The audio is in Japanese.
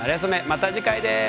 また次回です。